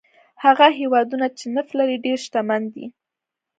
هغه هېوادونه چې نفت لري ډېر شتمن دي.